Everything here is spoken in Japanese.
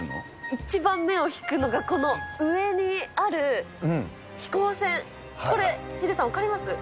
一番目を引くのがこの上にある飛行船、これ、ヒデさん分かります？